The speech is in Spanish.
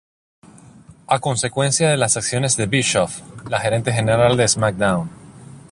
A consecuencia de las acciones de Bischoff, la Gerente General de SmackDown!